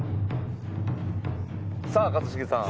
さあ一茂さん。